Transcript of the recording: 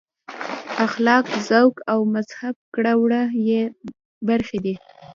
اخلاق ذوق او مهذب کړه وړه یې برخې دي.